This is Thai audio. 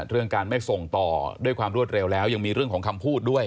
เรื่องการไม่ส่งต่อด้วยความรวดเร็วแล้วยังมีเรื่องของคำพูดด้วย